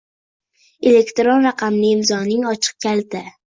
elektron raqamli imzoning ochiq kaliti;